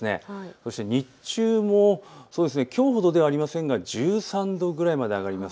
そして日中もきょうほどではありませんが１３度ぐらいまで上がります。